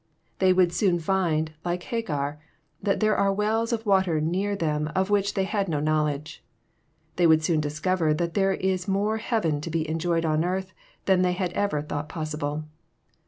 They would soon find, like Hagar, that there are wells of water near them of which they had no knowledge. They would soon discover that there is more heaven to be enjoyed on earth than they had ever thought possible.